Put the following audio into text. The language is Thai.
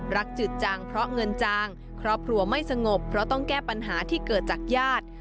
จืดจางเพราะเงินจางครอบครัวไม่สงบเพราะต้องแก้ปัญหาที่เกิดจากญาติ